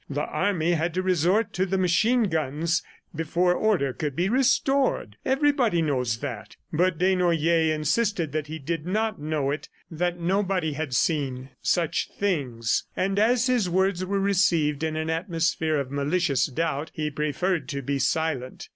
The army had to resort to the machine guns before order could be restored. ... Everybody knows that." But Desnoyers insisted that he did not know it, that nobody had seen such things. And as his words were received in an atmosphere of malicious doubt, he preferred to be silent.